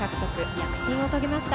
躍進を遂げました。